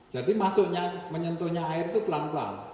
jadi masuknya menyentuhnya air itu pelan pelan